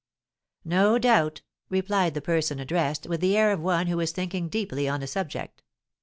"No doubt," replied the person addressed, with the air of one who is thinking deeply on a subject.